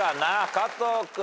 加藤君。